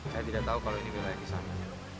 saya tidak tahu kalau ini wilayah yang sama